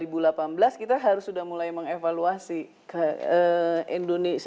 disebutkan bahwa dua ribu delapan belas kita harus sudah mulai mengevaluasi indonesia